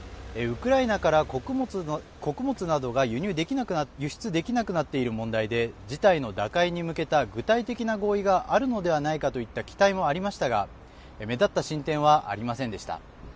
ウクライナから穀物などが輸出できなくなっている問題で事態の打開に向けた具体的な合意があるのではないかといった期待もありましたが目立った進展はありませんでした。